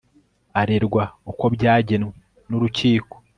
arerwa uko byagenwe n Urukiko